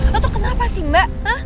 lo tuh kenapa sih mbak